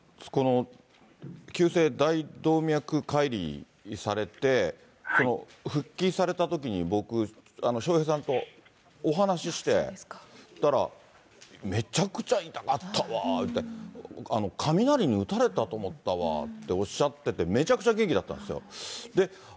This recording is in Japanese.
急性大動脈解離をされて、復帰されたときに僕、笑瓶さんとお話して、そしたら、めちゃくちゃ痛かったわーいうて、雷に打たれたと思ったわとおっしゃってて、めちゃくちゃ元気だったんですよ。